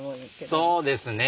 そうですね。